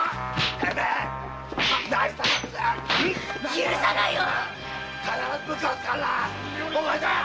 許さないよ！